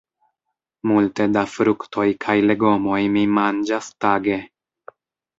Multe da fruktoj kaj legomoj mi manĝas tage.